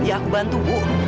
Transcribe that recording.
ya aku bantu bu